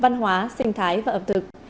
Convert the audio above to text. văn hóa sinh thái và ẩm thực